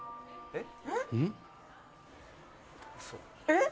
「えっ」